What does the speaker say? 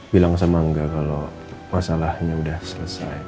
bilang sama angga kalau masalahnya udah selesai